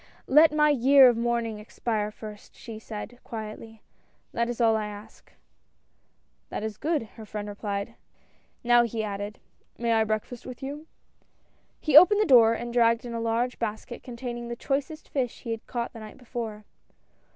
"Let my year of mourning expire first," she said quietly, " that is all I ask." "That is good!" her friend replied, "now," he added, " may I breakfast with you? " He opened the door, and dragged in a large basket containing the choicest fish he had caught the night before.